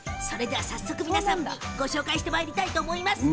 皆さんにご紹介してまいりたいと思います。